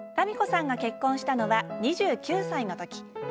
みこさんが結婚したのは２９歳のとき。